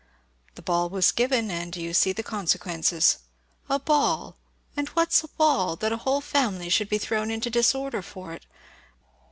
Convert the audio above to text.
The ball was given, and you see the consequences. A ball! and what's a ball, that a whole family should be thrown into disorder for it?"